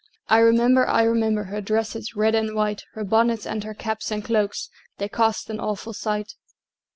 I remember, I remember, Her dresses, red and white, Her bonnets and her caps and cloaks, They cost an awful sight!